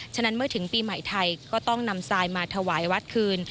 ฉะนั้นเมื่อถึงปีใหม่ไทยก็ต้องนำทรายมาถวายวัดคืน